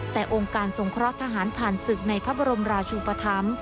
แต่องค์การทรงเคราะห์ทหารผ่านศึกในพระบรมราชุปธรรม